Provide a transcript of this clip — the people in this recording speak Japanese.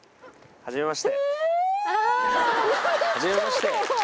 はじめまして。